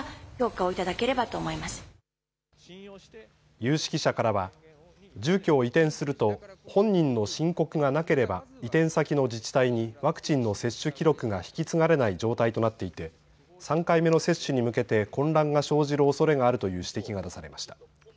有識者からは住居を移転すると本人の申告がなければ移転先の自治体にワクチンの接種記録が引き継がれない状態となっていて３回目の接種に向けて混乱が生じるおそれがあるという指摘が出されました。